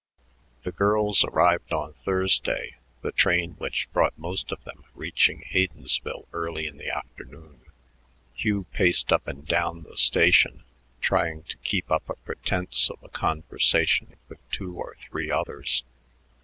The girls arrived on Thursday, the train which brought most of them reaching Haydensville early in the afternoon. Hugh paced up and down the station, trying to keep up a pretense of a conversation with two or three others.